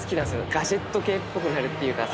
ガジェット系っぽくなるっていうか。